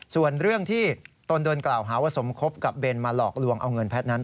ส่วนเรื่องที่ตนโดนกล่าวหาว่าสมคบกับเบนมาหลอกลวงเอาเงินแพทย์นั้น